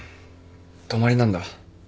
泊まりなんだ。